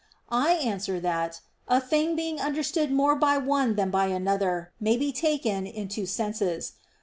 I answer that, A thing being understood more by one than by another may be taken in two senses.